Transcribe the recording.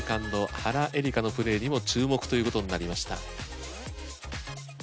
原英莉花のプレーにも注目ということになりました。